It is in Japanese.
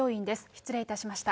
失礼いたしました。